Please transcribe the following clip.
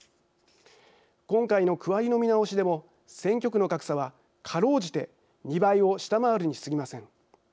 今回の区割りの見直しでも選挙区の格差はかろうじて２倍を下回るにすぎません。